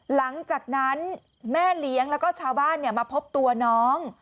หลังจากนั้นแม่เลี้ยงแล้วก็ชาวบ้านมาพบตัวน้อง